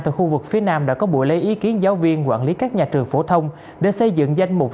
từ khu vực phía nam đã có buổi lấy ý kiến giáo viên quản lý các nhà trường phổ thông để xây dựng danh mục